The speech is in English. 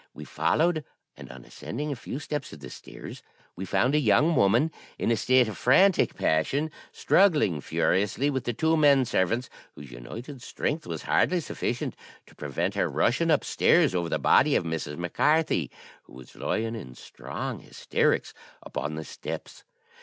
We followed, and on ascending a few steps of the stairs, we found a young woman, in a state of frantic passion, struggling furiously with two men servants, whose united strength was hardly sufficient to prevent her rushing upstairs over the body of Mrs. Mac Carthy, who was lying in strong hysterics upon the steps.